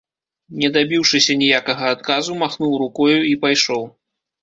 Не дабіўшыся ніякага адказу, махнуў рукою і пайшоў.